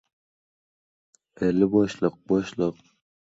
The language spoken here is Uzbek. Aqling yetmagan ishga aralashib nima qilasan?